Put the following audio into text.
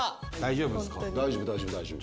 大丈夫大丈夫大丈夫。